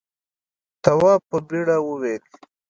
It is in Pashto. تواب په بېره وویل.